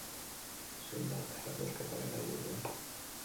Zein da erakusketaren helburua?